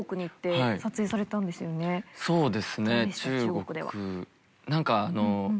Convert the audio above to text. そうですね中国。